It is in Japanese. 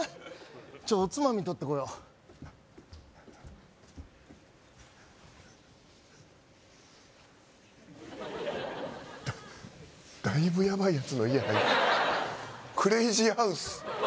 ちょっおつまみ取ってこようだだいぶヤバい奴の家入ったクレイジーハウス？